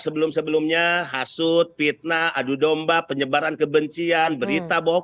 sebelum sebelumnya hasut fitnah adu domba penyebaran kebencian berita bohong